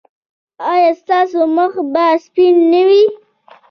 ایا ستاسو مخ به سپین نه وي؟